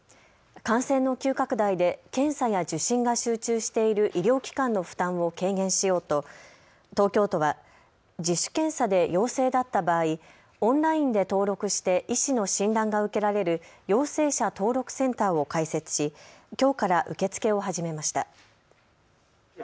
感染の急拡大で検査や受診が集中している医療機関の負担を軽減しようと東京都は自主検査で陽性だった場合、オンラインで登録して医師の診断が受けられる陽性者登録センターを開設しきょうから受け付けを始めました。